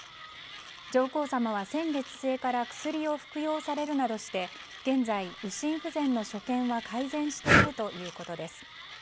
上皇さまは先月末から薬を服用されるなどして現在、右心不全の所見は改善しているということです。